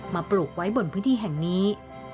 ปลูกไว้บนพื้นที่แห่งนี้